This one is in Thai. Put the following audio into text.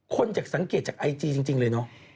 คนจะสังเกตจากไอจีจริงเลยเนาะ